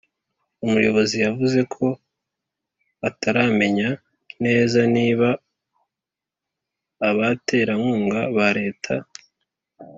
Umuyobozi yavuze ko ataramenya neza niba abaterankunga ba Leta